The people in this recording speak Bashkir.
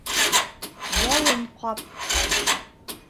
Балын ҡап